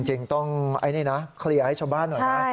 จริงต้องเคลียร์ให้ชาวบ้านหน่อยนะ